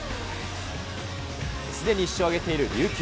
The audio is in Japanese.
すでに１勝を挙げている琉球。